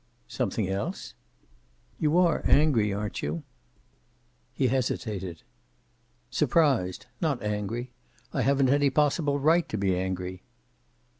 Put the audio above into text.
"Something else?" "You are angry, aren't you?" He hesitated. "Surprised. Not angry. I haven't any possible right to be angry."